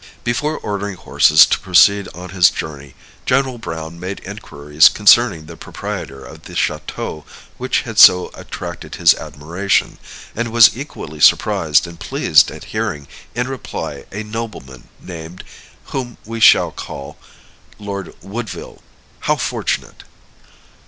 Before ordering horses to proceed on his journey, General Browne made inquiries concerning the proprietor of the château which had so attracted his admiration; and was equally surprised and pleased at hearing in reply a nobleman named, whom we shall call Lord Woodville. How fortunate!